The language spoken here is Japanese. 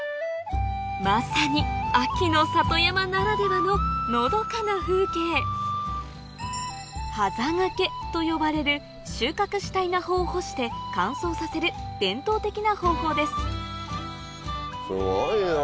まさに秋の里山ならではののどかな風景と呼ばれる収穫した稲穂を干して乾燥させる伝統的な方法ですすごいよ。